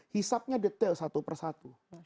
hisapnya detail satu persatu